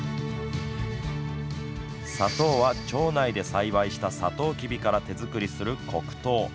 砂糖は町内で栽培したさとうきびから手作りする黒糖。